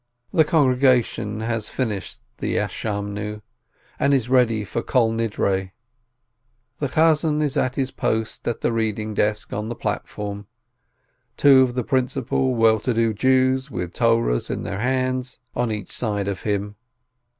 The congregation has finished the Prayer of Expiation, and is ready for Kol Nidre. The cantor is at his post at the reading desk on the platform, two of the principal, well to do Jews, with Torahs in their hands, on each side of him.